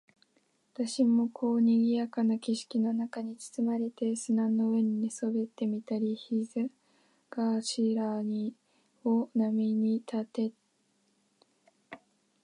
その中に知った人を一人ももたない私も、こういう賑（にぎ）やかな景色の中に裹（つつ）まれて、砂の上に寝そべってみたり、膝頭（ひざがしら）を波に打たしてそこいらを跳（は）ね廻（まわ）るのは愉快であった。